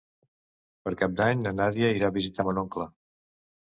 Per Cap d'Any na Nàdia irà a visitar mon oncle.